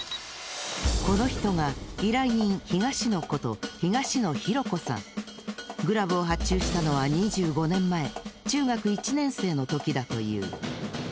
この人が依頼人ヒガシノことグラブを発注したのは２５年前中学１年生の時だという。